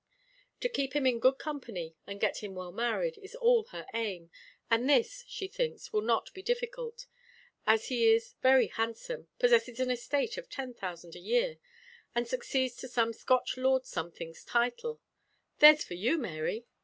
To keep him in good company, and get him well married, is all her aim; and this, she thinks, will not be difficult, as he is very handsome possesses an estate of ten thousand a year and succeeds to some Scotch Lord Something's title there's for you, Mary!